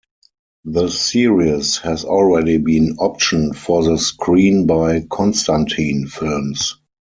The series has already been optioned for the screen by Constantin Films.